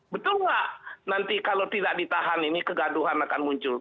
betul nggak nanti kalau tidak ditahan ini kegaduhan akan muncul